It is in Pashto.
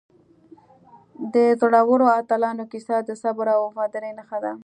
د زړورو اتلانو کیسه د صبر او وفادارۍ نښه ده.